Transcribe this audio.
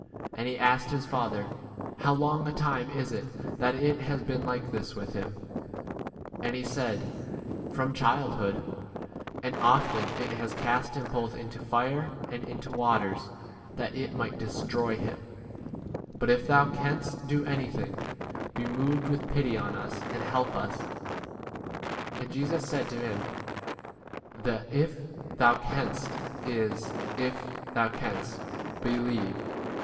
And he asked his father, How long a time is it that it has been like this with him ? And he said, From 22 childhood ; and often it has cast him both into fire and into waters that it might destroy him : but, if thou canst [do] anything, be mov ed with pity on us, and help us. 23 And Jesus said to him, The " if thou canst" is [if thou canst] be lieve.